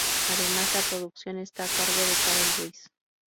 Además, la producción está a cargo de Carol Ruiz.